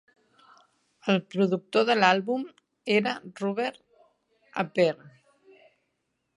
El productor de l'àlbum era Robert Appere.